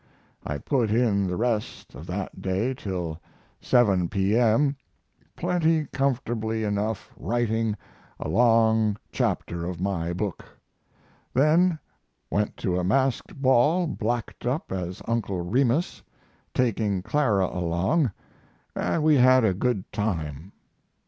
I put in the rest of that day till 7 P.m. plenty comfortably enough writing a long chapter of my book; then went to a masked ball blacked up as Uncle Remus, taking Clara along, and we had a good time.